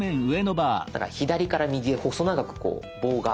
だから左から右へ細長く棒が。